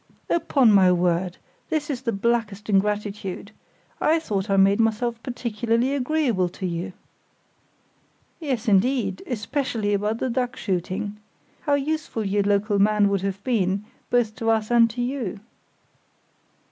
"Upon my word, this is the blackest ingratitude. I thought I made myself particularly agreeable to you." "Yes, indeed; especially about the duck shooting! How useful your local man would have been—both to us and to you!"